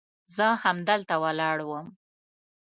زه همدلته ولاړ وم.